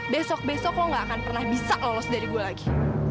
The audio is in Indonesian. besok besok lo gak akan pernah bisa lolos dari gue lagi